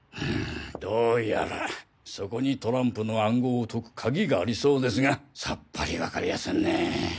どうやらそこにトランプの暗号を解くカギがありそうですがさっぱりわかりやせんねぇ。